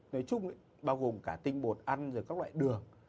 nói chung bao gồm cả tinh bột ăn rồi các loại đường